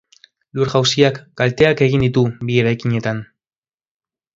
Lur-jauziak kalteak egin ditu bi eraikinetan.